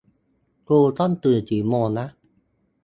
กูต้องตื่นกี่โมงนะ